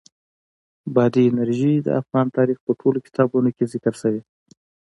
بادي انرژي د افغان تاریخ په ټولو کتابونو کې ذکر شوې.